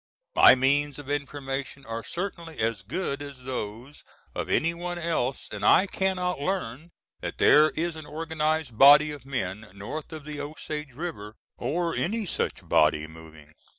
My means of information are certainly as good as those of any one else, and I cannot learn that there is an organized body of men North of the Osage River, or any such body moving.